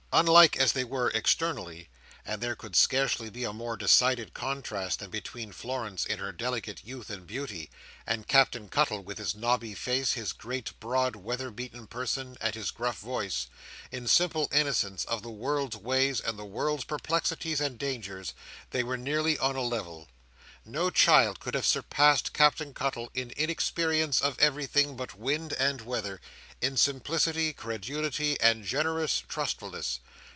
Unlike as they were externally—and there could scarcely be a more decided contrast than between Florence in her delicate youth and beauty, and Captain Cuttle with his knobby face, his great broad weather beaten person, and his gruff voice—in simple innocence of the world's ways and the world's perplexities and dangers, they were nearly on a level. No child could have surpassed Captain Cuttle in inexperience of everything but wind and weather; in simplicity, credulity, and generous trustfulness.